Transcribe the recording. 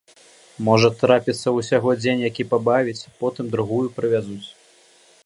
Можа, трапіцца ўсяго дзень які пабавіць, потым другую прывязуць.